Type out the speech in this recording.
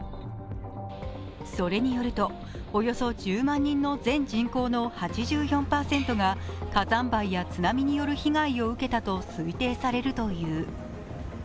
それによると、およそ１０万人の全人口の８４％が火山灰や、津波による被害を受けたと推定されるという。